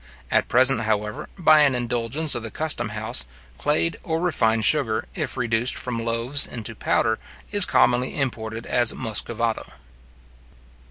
At present, however, by an indulgence of the custom house, clayed or refined sugar, if reduced from loaves into powder, is commonly imported as Muscovado.